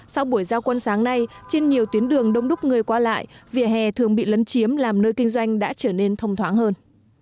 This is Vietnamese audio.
sau buổi giao quân sáng nay trên nhiều tuyến đường đông đúc người qua lại vỉa hè thường bị lấn chiếm làm nơi kinh doanh đã trở nên thông thoáng hơn